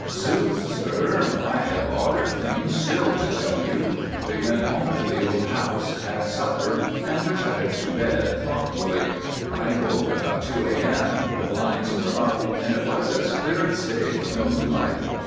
"Zooks! sir, I have odder things still to tell you. We went home to the old house, had supper, and retired to bed thoughtfully. I woke about 2 a.m. The blinds were up and it was as clear as day with the moonlight.